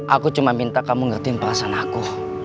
aku cuma minta kamu ngertiin perasaan aku